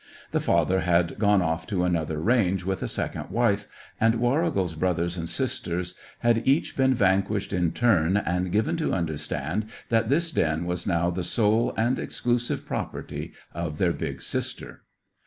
The father had gone off to another range with a second wife, and Warrigal's brothers and sisters had each been vanquished in turn and given to understand that this den was now the sole and exclusive property of their big sister.